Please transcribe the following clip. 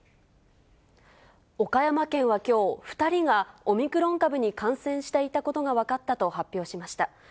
岡山県はきょう、２人がオミクロン株に感染していたことが分かったと発表しました。